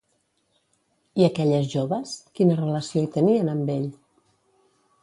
I aquelles joves, quina relació hi tenien amb ell?